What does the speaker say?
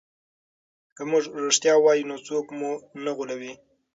که موږ رښتیا ووایو نو څوک مو نه غولوي.